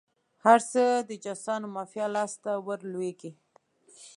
هر څه د جاسوسانو مافیا لاس ته ور ولویږي.